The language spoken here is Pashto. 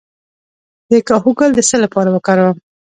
د کاهو ګل د څه لپاره وکاروم؟